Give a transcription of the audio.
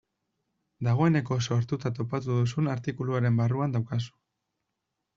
Dagoeneko sortuta topatu duzun artikuluaren barruan daukazu.